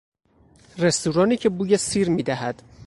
رستورانی که بوی سیر میدهد